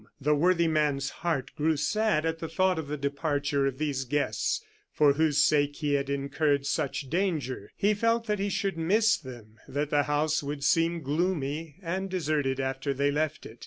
The worthy man's heart grew sad at the thought of the departure of these guests, for whose sake he had incurred such danger. He felt that he should miss them, that the house would seem gloomy and deserted after they left it.